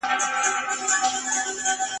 له سهاره تر ماښامه تله راتلله !.